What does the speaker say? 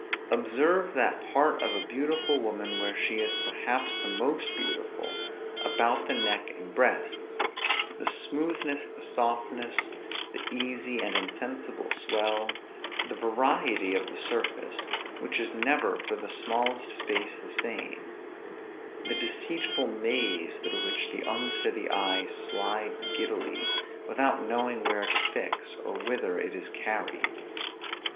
Observe that part of a beautiful woman where she is perhaps the most beautiful, about the neck and breasts; the smoothness, the softness, the easy and insensible swell; the variety of the surface, which is never for the smallest space the same; the deceitful maze through which the unsteady eye slides giddily, without knowing where to fix, or whither it is carried.